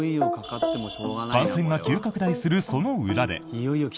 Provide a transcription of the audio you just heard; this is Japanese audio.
感染が急拡大するその裏で。